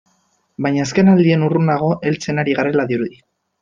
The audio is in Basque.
Baina azkenaldion urrunago heltzen ari garela dirudi.